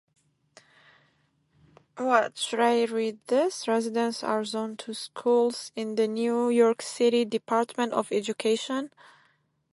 Residents are zoned to schools in the New York City Department of Education.